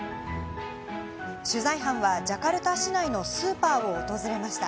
取材班はジャカルタ市内のスーパーを訪れました。